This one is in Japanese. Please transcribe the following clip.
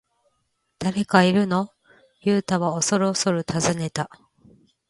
「誰かいるの？」ユウタはおそるおそる尋ねた。